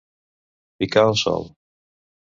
Picar el sol.